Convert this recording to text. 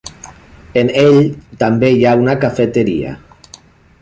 En ell, també hi ha una cafeteria.